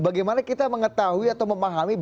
bagaimana kita mengetahui atau memahami